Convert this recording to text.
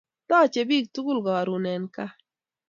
Taachei bik tugul karun en kaa